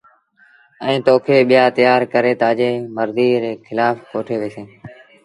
ائيٚݩٚ تو کي ٻيآ تيآر ڪري تآجيٚ مرزيٚ ري کلآڦ ڪوٺي وهيٚسينٚ۔